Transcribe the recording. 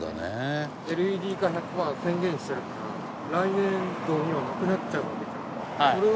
ＬＥＤ化１００パー宣言してるから来年度にはなくなっちゃうわけじゃん。